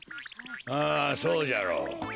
ああそうじゃろう。